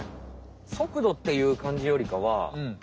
そくどっていう感じよりかは。